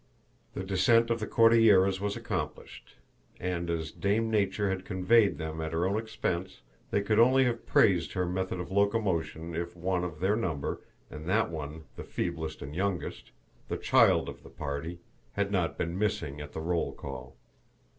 The descent of the Cordilleras was accomplished; and as Dame Nature had conveyed them at her own expense, they could only have praised her method of locomotion if one of their number, and that one the feeblest and youngest, the child of the party, had not been missing at the roll call.